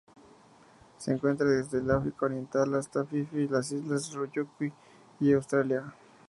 Se encuentra desde el África Oriental hasta Fiyi, las Islas Ryukyu y Australia.